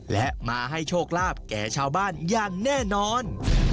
และมาให้โชคลาภแก่ชาวบ้านอย่างแน่นอน